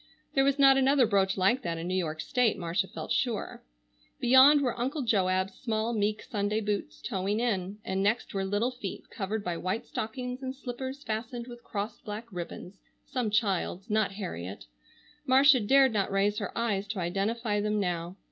There was not another brooch like that in New York state, Marcia felt sure. Beyond were Uncle Joab's small meek Sunday boots, toeing in, and next were little feet covered by white stockings and slippers fastened with crossed black ribbons, some child's, not Harriet—Marcia dared not raise her eyes to identify them now.